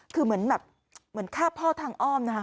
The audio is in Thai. คือเหมือนแบบเหมือนฆ่าพ่อทางอ้อมนะคะ